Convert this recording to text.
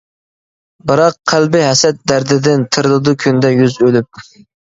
بىراق، قەلبى ھەسەت دەردىدىن، تىرىلىدۇ كۈندە يۈز ئۆلۈپ.